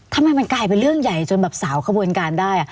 ทำไมมันกลายเป็นเรื่องใหญ่จนแบบสาวขบวนการได้